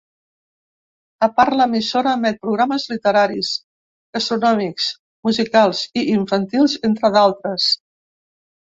A part, l’emissora emet programes literaris, gastronòmics, musicals i infantils, entre d’altres.